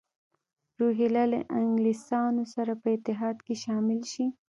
روهیله له انګلیسیانو سره په اتحاد کې شامل شي.